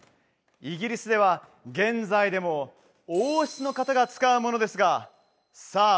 イギリスでは現在でも王室の方が使うものですがさあ